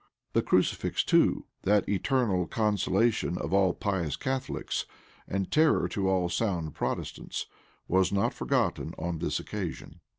The crucifix too, that eternal consolation of all pious Catholics, and terror to all sound Protestants, was not forgotten on this occasion.